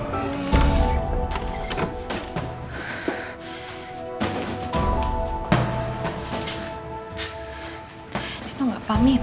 tapi kalau militernya naik ke conviction kaido ini